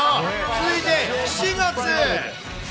続いて７月。